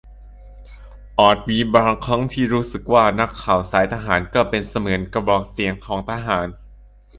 อาจมีบางครั้งที่รู้สึกว่านักข่าวสายทหารก็เป็นเสมือนกระบอกเสียงของทหาร